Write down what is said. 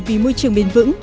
vì môi trường bền vững